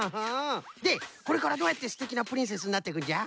でこれからどうやってすてきなプリンセスになってくんじゃ？